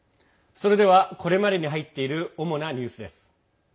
それではこれまでに入っている主なニュースです。